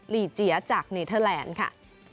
ลีเจียจากเนเทอร์แลนด์ค่ะ